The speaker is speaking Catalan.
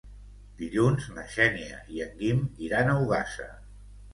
Dilluns na Xènia i en Guim iran a Ogassa.